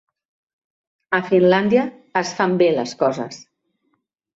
A Finlàndia es fan bé les coses.